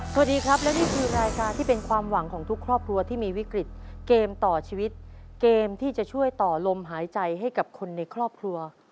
สวัสดีครับและนี่คือรายการที่เป็นความหวังของทุกครอบครัวที่มีวิกฤตเกมต่อชีวิตเกมที่จะช่วยต่อลมหายใจให้กับคนในครอบครัว